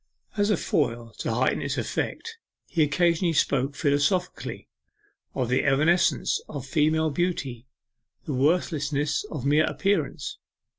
As a foil to heighten its effect, he occasionally spoke philosophically of the evanescence of female beauty the worthlessness of mere appearance.